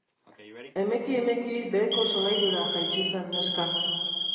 Emeki-emeki, beheko solairura jaitsi zen neska.